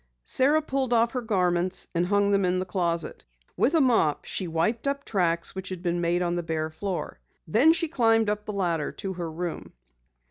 Sara pulled off her garments and hung them in the closet. With a mop she wiped up tracks which had been made on the bare floor. Then she climbed up the ladder to her room.